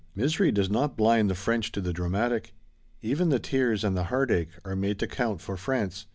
Misery does not blind the French to the dramatic. Even the tears and the heartache are made to count for France.